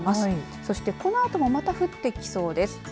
そして、このあともまた降ってきそうです。